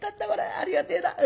ありがてえな。